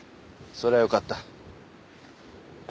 それはよかった。